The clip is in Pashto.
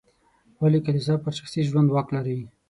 ولې کلیسا پر شخصي ژوند واک لري.